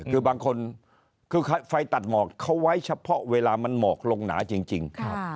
คือบางคนคือไฟตัดหมอกเขาไว้เฉพาะเวลามันหมอกลงหนาจริง